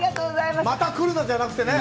また来るなじゃなくてね。